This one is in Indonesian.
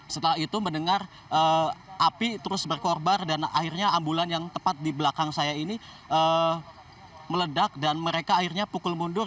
setelah itu mendengar api terus berkorbar dan akhirnya ambulan yang tepat di belakang saya ini meledak dan mereka akhirnya pukul mundur